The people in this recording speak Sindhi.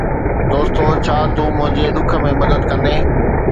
دوستو، ڇا تون منهنجي ڏک ۾ مدد ڪندين؟